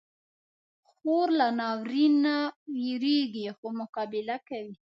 خور له ناورین نه وېریږي، خو مقابله کوي.